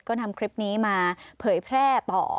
ก็นำคลิปนี้มาเผยแพร่ต่อ